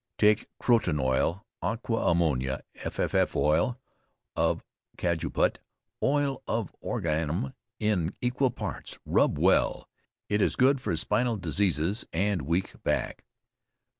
Take croton oil, aqua ammonia, f.f.f; oil of cajuput, oil of origanum, in equal parts. Rub well. It is good for spinal diseases and weak back.